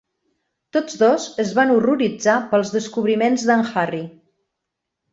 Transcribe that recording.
Tots dos es van horroritzar pels descobriments d'en Harry.